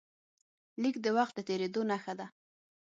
لیک د وخت د تېرېدو نښه ده.